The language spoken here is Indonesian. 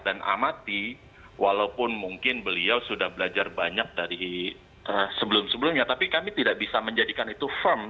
dan amati walaupun mungkin beliau sudah belajar banyak dari sebelum sebelumnya tapi kami tidak bisa menjadikan itu firm